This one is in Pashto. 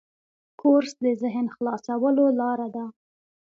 کورس د ذهن خلاصولو لاره ده.